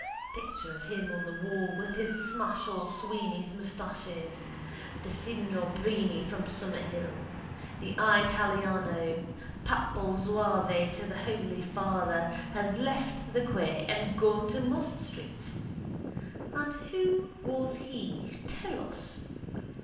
Picture of him on the wall with his Smashall Sweeney's moustaches, the signior Brini from Summerhill, the eyetallyano, papal Zouave to the Holy Father, has left the quay and gone to Moss street. And who was he, tell us?